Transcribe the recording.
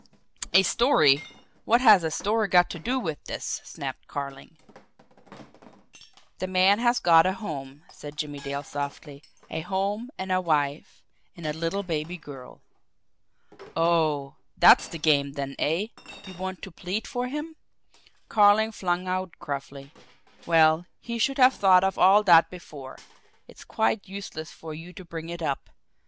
"A story! What has a story got to do with this?" snapped Carling. "The man has got a home," said Jimmie Dale softly. "A home, and a wife and a little baby girl." "Oh, that's the game then, eh? You want to plead for him?" Carling flung out gruffly. "Well, he should have thought of all that before! It's quite useless for you to bring it up.